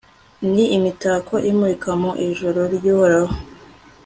ni imitako imurika mu ijuru ry'uhoraho